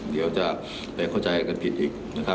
เดี๋ยวจะไปเข้าใจกันผิดอีก